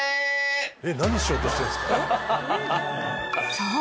［そう］